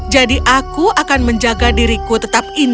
jadi aku akan menjaga diriku tetap seimbang